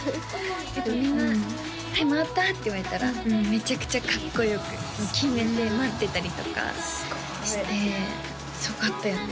みんな「はい回った！」って言われたらめちゃくちゃかっこよく決めて待ってたりとかしてすごかったよね